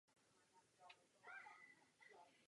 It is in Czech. Komise věří, že je důležité dodržovat pravidla konkurence.